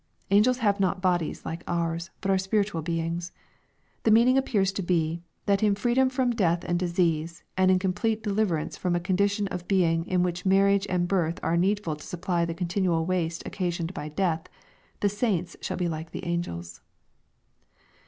Angels have not bodies, like ours, but are spiritual beings. The meaning ap pears to be, that in freedom from death and disease, and in com plete deliverance from a condition of being in which marriage and birth are needful to supply the continual waste occasioned by death, the saints shall be like the angels.